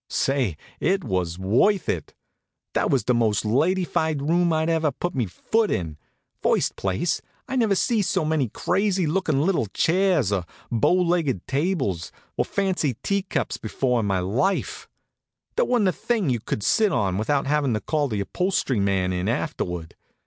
Say, it was worth it! That was the most ladyfied room I ever put me foot in. First place, I never see so many crazy lookin' little chairs, or bow legged tables, or fancy tea cups before in my life. There wa'n't a thing you could sit on without havin' to call the upholstery man in afterward.